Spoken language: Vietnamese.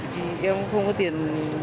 thì em không có tiền